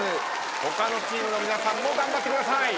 他のチームの皆さんも頑張ってください。